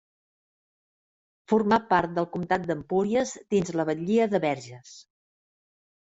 Formà part del comtat d'Empúries dins la batllia de Verges.